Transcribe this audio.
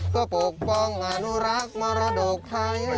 เพื่อปกป้องอนุรักษ์มรดกไทย